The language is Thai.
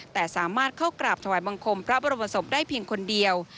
แต่สามารถเข้ากราบถวายบังคมพระบรมศพได้เพียงคนเดียว